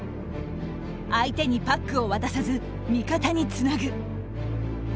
相手にパックを渡さず味方につなぐ。